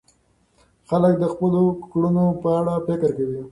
خلک د خپلو کړنو په اړه فکر کوي.